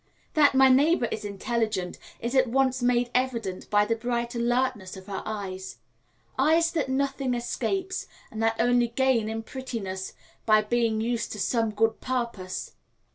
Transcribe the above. That my neighbour is intelligent is at once made evident by the bright alertness of her eyes eyes that nothing escapes, and that only gain in prettiness by being used to some good purpose.